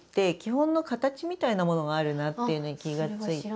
何かこのっていうのに気が付いて。